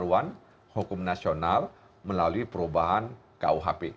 jadi ada pengaruhan hukum nasional melalui perubahan kuhp